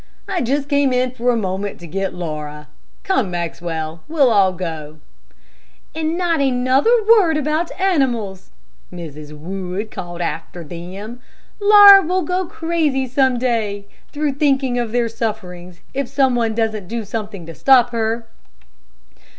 "I just came in for a moment to get Laura. Come, Maxwell, we'll all go." "And not another word about animals," Mrs. Wood called after them. "Laura will go crazy some day, through thinking of their sufferings, if some one doesn't do something to stop her."